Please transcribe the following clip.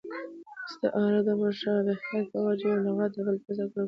استعاره د مشابهت په وجه یو لغت د بل پر ځای کارولو ته وايي.